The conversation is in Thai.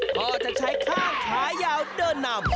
ก็จะใช้ข้างขายาวเดินนำ